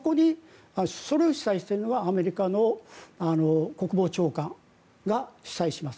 それを主催しているのがアメリカの国防長官が主催します。